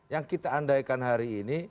yang kita andaikan hari ini